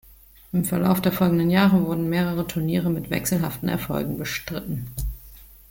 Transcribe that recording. Im Verlauf der folgenden Jahre wurden mehrere Turniere mit wechselhaften Erfolgen bestritten.